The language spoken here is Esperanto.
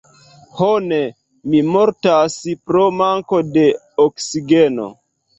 Ho ne! Mi mortas pro manko de oksigeno!